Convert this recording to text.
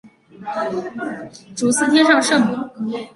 主祀天上圣母。